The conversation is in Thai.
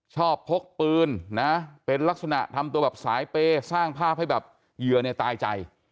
ชอบพกปืนเป็นลักษณะทำตัวแบบสายเป้สร้างภาพให้แบบเยื่อในตายใจ